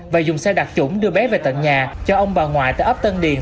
và dùng xe đặt chủng đưa bé về tận nhà cho ông bà ngoại tại ấp tân điền